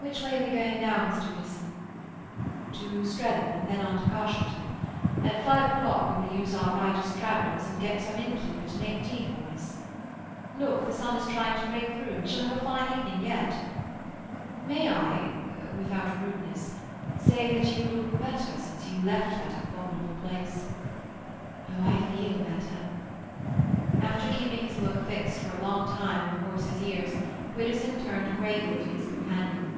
"Which way are we going now, Mr. Widdowson?" "To Streatham, then on to Carshalton. At five o'clock we will use our right as travellers, and get some innkeeper to make tea for us. Look, the sun is trying to break through; we shall have a fine evening yet. May I, without rudeness, say that you look better since you left that abominable place." "Oh, I feel better." After keeping his look fixed for a long time on the horse's ears, Widdowson turned gravely to his companion.